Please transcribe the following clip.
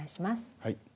はい。